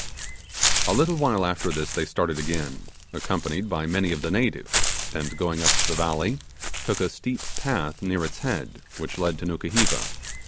A little while after this they started again, accompanied by many of the natives, and going up the valley, took a steep path near its head, which led to Nukuheva.